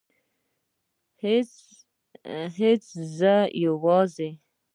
هیڅ زه یوازې